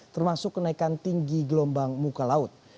termasuk kenaikan tinggi gelombang muka laut